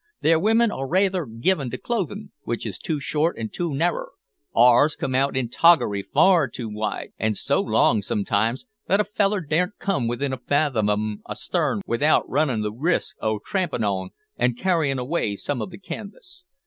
Their women are raither given to clothin' which is too short and too narrer, ours come out in toggery far too wide, and so long sometimes, that a feller daren't come within a fathom of 'em astarn without runnin' the risk o' trampin' on, an' carrying away some o' the canvas.